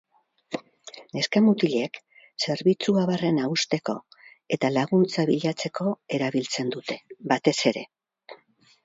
Neska-mutilek zerbitzua barrena husteko eta laguntza bilatzeko erabiltzen dute, batez ere.